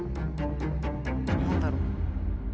何だろう？